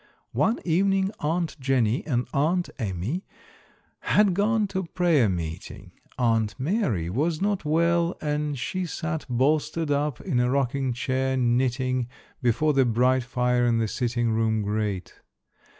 One evening Aunt Jenny and Aunt Amy had gone to prayer meeting. Aunt Mary was not well and she sat bolstered up in a rocking chair, knitting, before the bright fire in the sitting room grate.